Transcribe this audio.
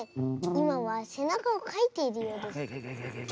いまはせなかをかいているようです。